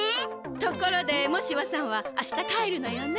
ところでモシワさんは明日帰るのよね。